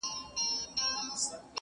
نه يوې خوا ته رهي سول ټول سرونه؛